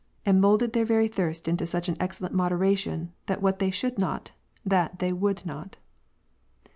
and moulded their very thirst to such an excellent moder ^' ation, that what they should not, that they would not".